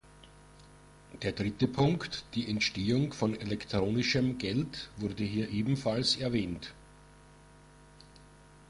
Der dritte Punkt, die Entstehung von elektronischem Geld, wurde hier ebenfalls erwähnt.